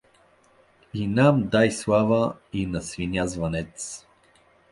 А нам дай слава — и на свиня звънец.